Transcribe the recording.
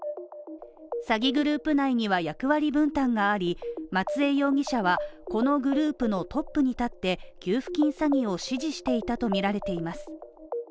詐欺グループ内には役割分担があり、松江容疑者は、このグループのトップに立って給付金詐欺を指示していたとみられています。